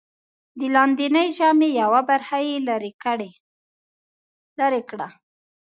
د لاندېنۍ ژامې یوه برخه یې لرې کړه.